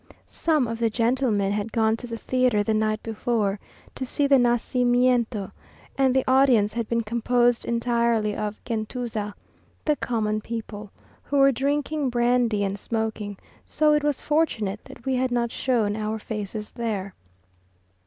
Some of the gentlemen had gone to the theatre the night before, to see the Nacimiento, and the audience had been composed entirely of Gentuza, the common people, who were drinking brandy and smoking; so it was fortunate that we had not shown our faces there.